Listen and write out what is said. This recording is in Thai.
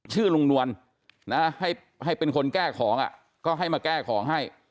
ชื่อลุงนวลนะให้เป็นคนแก้ของก็ให้มาแก้ของให้